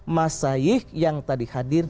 masayih yang tadi hadir